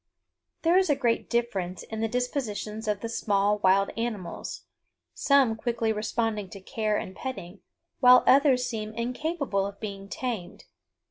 There is a great difference in the dispositions of the small wild animals, some quickly responding to care and petting, while others seem incapable of being tamed.